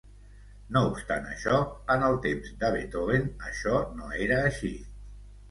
No obstant això, en el temps de Beethoven, això no era així.